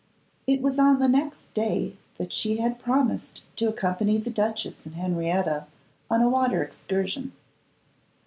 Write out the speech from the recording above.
It was on the next day that she had promised to accompany the duchess and Henrietta on a water excursion.